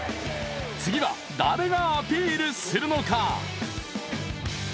次は誰がアピールするのか？